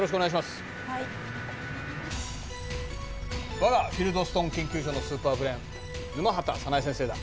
わがフィルドストン研究所のスーパーブレーン沼畑早苗先生だ。